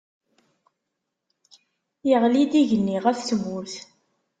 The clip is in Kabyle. Yeɣli-d igenni ɣef tmurt.